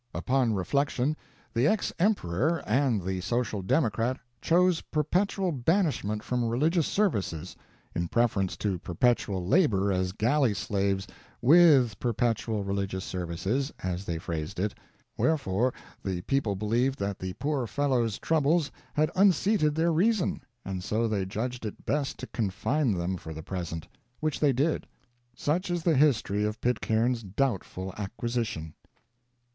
Upon reflection, the ex emperor and the social democrat chose perpetual banishment from religious services in preference to perpetual labor as galley slaves "with perpetual religious services," as they phrased it; wherefore the people believed that the poor fellows' troubles had unseated their reason, and so they judged it best to confine them for the present. Which they did. Such is the history of Pitcairn's "doubtful acquisition."